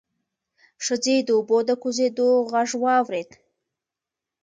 ښځې د اوبو د کوزېدو غږ واورېد.